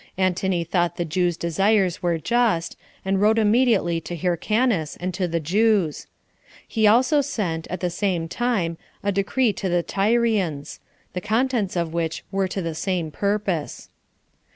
Antony thought the Jews' desires were just, and wrote immediately to Hyrcanus, and to the Jews. He also sent, at the same time, a decree to the Tyrians; the contents of which were to the same purpose.